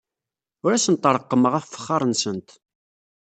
Ur asent-reqqmeɣ afexxar-nsent.